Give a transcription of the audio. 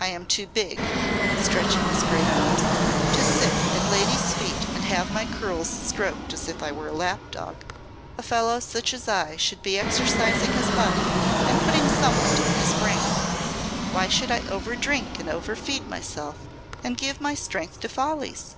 I am too big," stretching his great arms, "to sit at ladies' feet and have my curls stroked as if I were a lap dog. A fellow such as I should be exercising his body and putting somewhat in his brain. Why should I overdrink and overfeed myself and give my strength to follies?